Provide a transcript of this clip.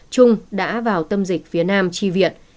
chung đã vào tâm dịch phía nam chi viện